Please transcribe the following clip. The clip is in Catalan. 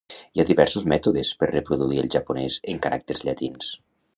Hi ha diversos mètodes per reproduir el japonès en caràcters llatins.